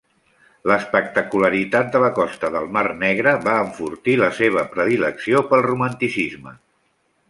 L'espectacularitat de la costa del Mar Negre va enfortir la seva predilecció pel romanticisme.